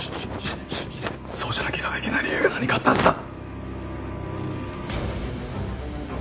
そうしなければいけない理由が何かあったはずだ！